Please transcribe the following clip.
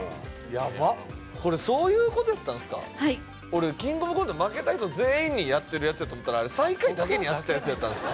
これそういうことやったんですかはい俺「キングオブコント」負けた人全員にやってるやつやと思ったらあれ最下位だけにやってたやつやったんですか？